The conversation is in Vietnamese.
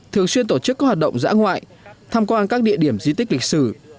thường xuyên tổ chức các hoạt động dã ngoại tham quan các địa điểm di tích lịch sử